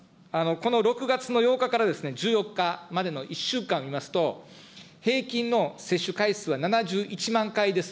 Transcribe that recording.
この６月の８日から１４日までの１週間を見ますと、平均の接種回数は７１万回です。